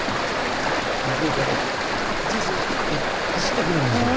向こうから「じいじ」って走ってくるんですよ。